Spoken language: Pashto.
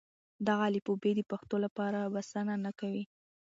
دغه الفبې د پښتو لپاره بسنه نه کوي.